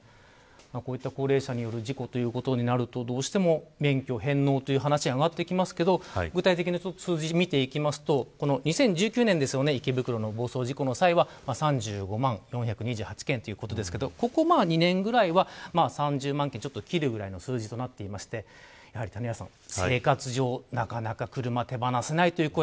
こういった高齢者による事故ということになるとどうしても免許返納という話が上がってきますが具体的な数字を見ていきますと２０１９年池袋の暴走事故の際は３５万４２８件ということですけどここ２年くらいは３０万件を切るぐらいの数字となっていましてやはり、谷原さん、生活上なかなか車を手放せないという声